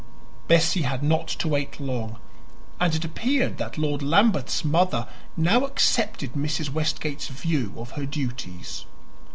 Bessie had not to wait long, and it appeared that Lord Lambeth's mother now accepted Mrs. Westgate's view of her duties.